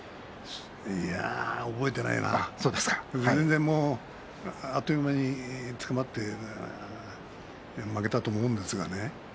いや、覚えていないなあっという間につかまって負けたと思うんですがね。